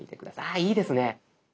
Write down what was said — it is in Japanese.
ああいいですね。